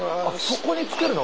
そこにつけるの？